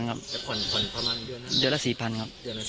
ค่อนประมาณเดือนละ๔๐๐๐ครับ